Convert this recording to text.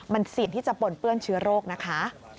มันเสี่ยงที่จะปนเปื้อนเชื้อโรคนะคะ